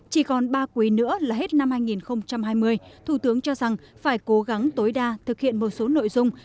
chỉ còn ba quý nữa là hết năm hai nghìn hai mươi thủ tướng cho rằng phải cố gắng tối đa thực hiện một số nội dung